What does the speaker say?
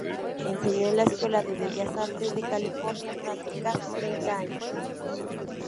Enseñó en la Escuela de Bellas Artes de California durante casi treinta años.